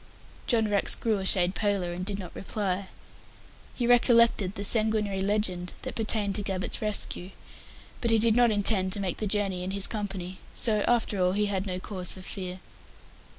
John Rex grew a shade paler, and did not reply. He recollected the sanguinary legend that pertained to Gabbett's rescue. But he did not intend to make the journey in his company, so, after all, he had no cause for fear.